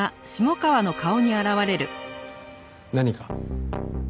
何か？